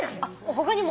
他にも？